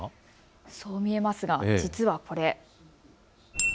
そう見えますが、実はこれ。